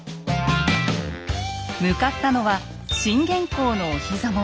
向かったのは信玄公のお膝元